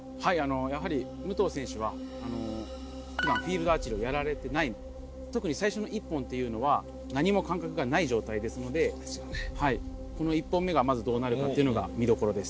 やはり、武藤選手は、ふだん、フィールドアーチェリーをやられてないので、特に最初の１本というのは、何も感覚がない状態ですので、この１本目がまずどうなるかっていうのが見どころです。